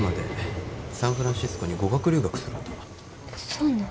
そうなん。